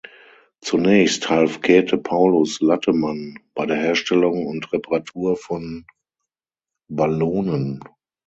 Zunächst half Käthe Paulus Lattemann bei der Herstellung und Reparatur von Ballonen.